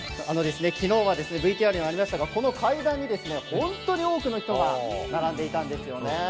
昨日はＶＴＲにもありましたがこの階段に本当に多くの人が並んでいたんですよね。